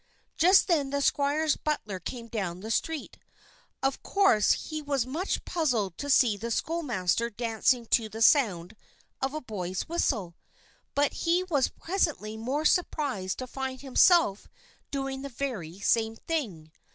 Just then the squire's butler came down the street. Of course he was much puzzled to see the schoolmaster dancing to the sound of a boy's whistle, but he was presently more surprised to find himself doing the very same thing.